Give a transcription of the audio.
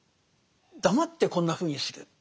黙ってこんなふうにする。